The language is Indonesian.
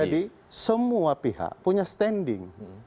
jadi semua pihak punya standing